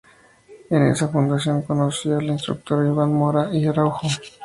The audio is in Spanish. En esa fundación, conoció al instructor Juan Mora y Araujo.